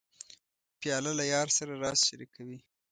پیاله له یار سره راز شریکوي.